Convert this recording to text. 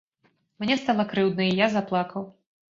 Мне стала крыўдна, і я заплакаў.